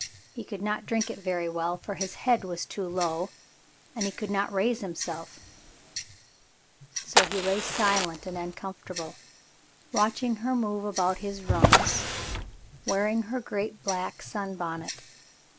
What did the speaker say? He could not drink it very well for his head was too low, and he could not raise himself, so he lay silent and uncomfortable, watching her move about his rooms, wearing her great black sunbonnet.